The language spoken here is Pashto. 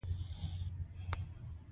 • د واورې ذرې د رڼا انعکاس کوي.